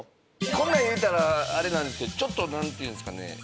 こんなん言うたらあれなんですけどちょっとなんていうんですかね